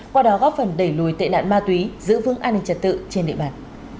qua đó góp phần đẩy lùi tệ nạn ma túy giữ vững an ninh trật tự trên địa bàn